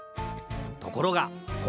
ところがこ